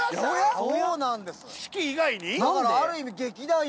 ⁉そうなんです。